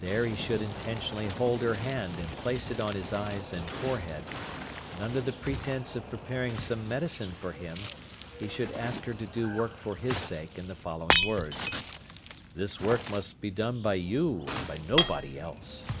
There he should intentionally hold her hand and place it on his eyes and forehead, and under the pretence of preparing some medicine for him he should ask her to do work for his sake in the following words: "This work must be done by you, and by nobody else."